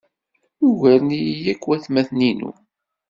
Ugaren-iyi akk waytmaten-inu.